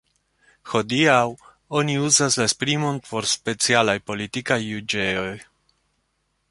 Hodiaŭ oni uzas la esprimon por specialaj politikaj juĝejoj.